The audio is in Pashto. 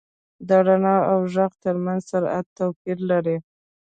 • د رڼا او ږغ تر منځ سرعت توپیر لري.